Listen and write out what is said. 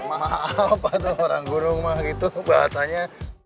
maaf apa tuh orang guru mah gitu bahasanya